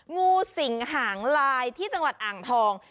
งูสิงหางลายที่จังหวัดอ่างทอง